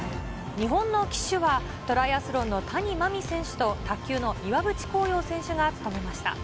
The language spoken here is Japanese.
日本の旗手は、トライアスロンの谷真海選手と、卓球の岩渕幸洋選手が務めました。